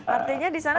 artinya di sana